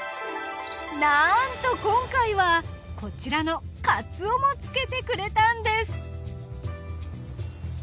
なんと今回はこちらのカツオもつけてくれたんです。